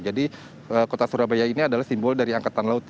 jadi kota surabaya ini adalah simbol dari angkatan laut